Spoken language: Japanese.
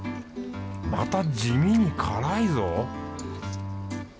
また地味に辛いぞ